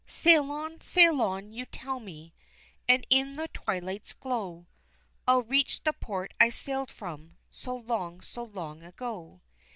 Sail on! Sail on! you tell me, And in the twilight's glow I'll reach the port I sailed from, So long, so long ago.